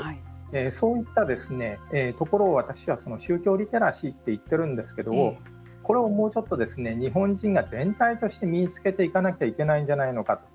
そういったところを私は宗教リテラシーって言っているんですけどこれをもうちょっと日本人が全体として身に着けていかなきゃいけないんじゃないかと。